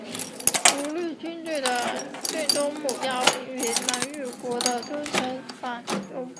五路军队的最终目标皆为南越国的都城番禺。